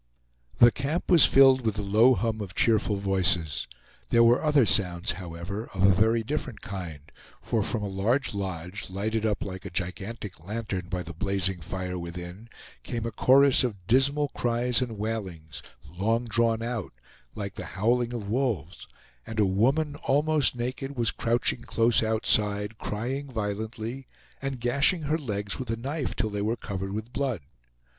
The camp was filled with the low hum of cheerful voices. There were other sounds, however, of a very different kind, for from a large lodge, lighted up like a gigantic lantern by the blazing fire within, came a chorus of dismal cries and wailings, long drawn out, like the howling of wolves, and a woman, almost naked, was crouching close outside, crying violently, and gashing her legs with a knife till they were covered with blood.